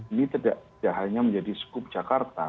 ini tidak hanya menjadi skup jakarta